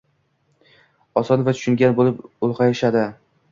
Oson va tushungan bo‘lib ulg‘ayishadi.